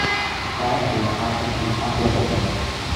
That won't happen in Oklahoma.